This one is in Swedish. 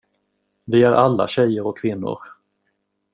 Vi är alla tjejer och kvinnor.